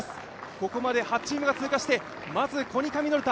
ここまで８チームが通過して、まずコニカミノルタ。